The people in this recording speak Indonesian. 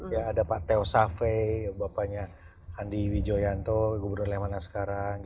ya ada pak teo safe bapaknya andi wijayanto gubernur lemana sekarang